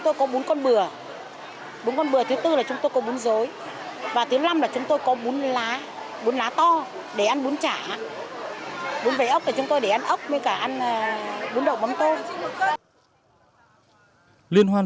tiếp theo chương trình